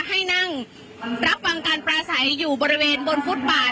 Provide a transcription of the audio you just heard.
ให้นั่งรับฟังการปลาใสอยู่บริเวณบนฟุตบาท